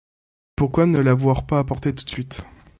Pourquoi ne l’avoir pas apporté tout de suite?